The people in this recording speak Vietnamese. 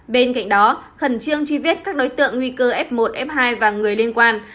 bên cạnh đó khẩn trương truy vết các đối tượng nguy cơ f một f hai và người liên quan